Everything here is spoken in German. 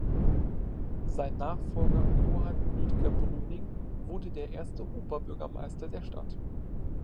Sein Nachfolger Johann Rütger Brüning wurde der erste Oberbürgermeister der Stadt.